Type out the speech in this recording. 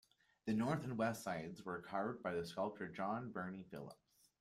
The north and west sides were carved by the sculptor John Birnie Philip.